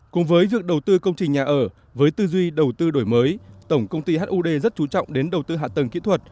cùng với việc đầu tư công trình nhà ở với tư duy đầu tư đổi mới tổng công ty hud rất chú trọng đến đầu tư hạ tầng kỹ thuật